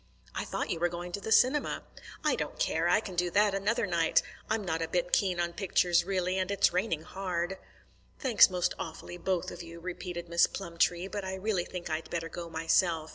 "I thought you were going to the cinema." "I don't care. I can do that another night. I'm not a bit keen on pictures, really, and it's raining hard." "Thanks most awfully, both of you," repeated Miss Plumtree, "but I really think I'd better go myself.